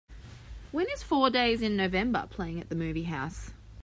When is Four Days in November playing at the movie house?